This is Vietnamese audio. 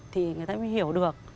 thì người ta mới hiểu được